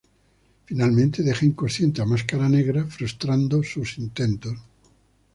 Finalmente deja inconsciente a Máscara Negra, frustrando sus intentos.